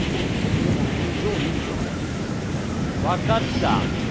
おおっじゃいいじゃん。分かった。